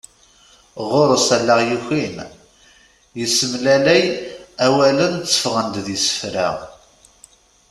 Ɣur-s allaɣ yukin, yessemlalay awalen tteffɣen-d d isefra.